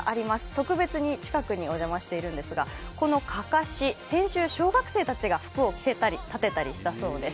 特別に近くにお邪魔しているんですが、このかかし先週小学生たちが服を着せたり立てたりしたそうです。